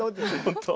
本当。